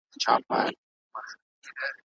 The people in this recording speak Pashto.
مالیاتي نظام د خلګو په ژوند اغیز کوي.